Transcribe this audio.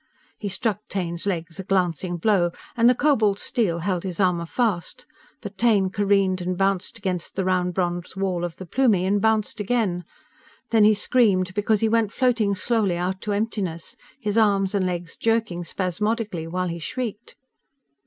He struck Taine's legs a glancing blow, and the cobalt steel held his armor fast, but Taine careened and bounced against the round bronze wall of the Plumie, and bounced again. Then he screamed, because he went floating slowly out to emptiness, his arms and legs jerking spasmodically, while he shrieked